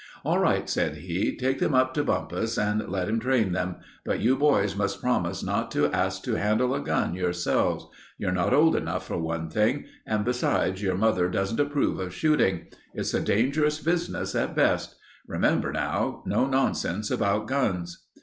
"All right," said he, "take them up to Bumpus and let him train them, but you boys must promise not to ask to handle a gun yourselves. You're not old enough, for one thing, and besides, your mother doesn't approve of shooting. It's a dangerous business at best. Remember, now, no nonsense about guns."